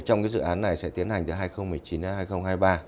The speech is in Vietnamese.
trong dự án này sẽ tiến hành từ hai nghìn một mươi chín đến hai nghìn hai mươi ba